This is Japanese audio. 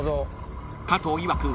［加藤いわく